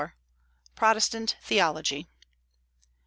PROTESTANT THEOLOGY.